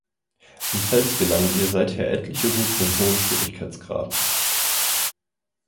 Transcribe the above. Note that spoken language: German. Am Fels gelangen ihr seither etliche Routen in hohen Schwierigkeitsgraden.